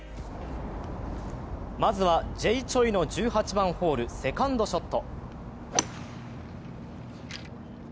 まずはジェイ・チョイの１８番ホール、セカンドショット。